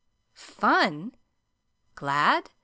"Fun! Glad!"